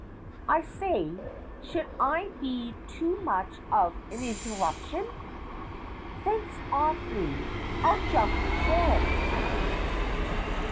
) I say, should I be too much of an interruption? Thanks, awfully. I'll jump for it.